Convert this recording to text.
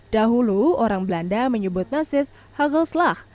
dahulu orang belanda menyebut mesis haggelslag